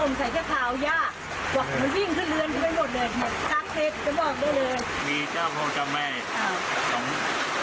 มีเจ้าพ่อเจ้าแม่๒พี่๓สาว